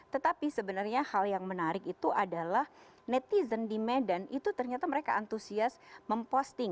tetapi sebenarnya hal yang menarik itu adalah netizen di medan itu ternyata mereka antusias memposting